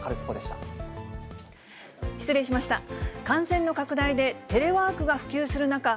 感染の拡大でテレワークが普及する中。